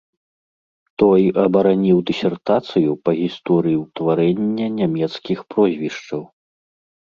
Той абараніў дысертацыю па гісторыі ўтварэння нямецкіх прозвішчаў.